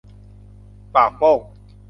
ปากโป้ง